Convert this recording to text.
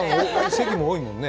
席も多いもんね。